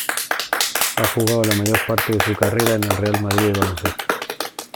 Ha jugado la mayor parte de su carrera en el Real Madrid de baloncesto.